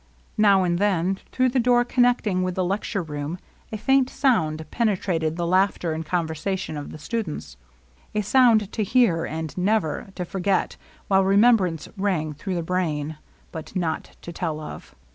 Now and then, through the door connecting with the lecture room, a faint sound penetrated the laughter and conversa tion of the students, — a sound to hear and never to forget while remembrance rang through the brain, but not to tell of.